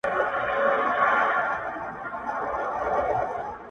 زما چي راسي کلکه غېږه راکړي راته’